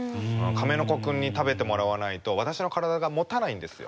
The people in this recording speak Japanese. カメノコ君に食べてもらわないと私の体がもたないんですよ。